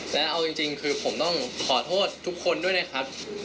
แล้วเอาจริงคือผมต้องขอโทษทุกคนด้วยนะครับ